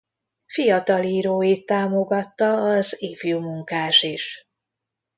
Fiatal íróit támogatta az Ifjúmunkás is.